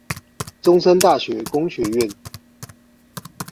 中山大學工學院